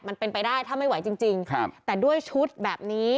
มันเป็นไปได้ถ้าไม่ไหวจริงจริงครับแต่ด้วยชุดแบบนี้